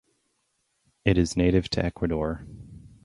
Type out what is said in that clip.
It is native to Ecuador.